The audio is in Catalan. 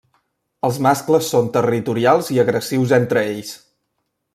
Els mascles són territorials i agressius entre ells.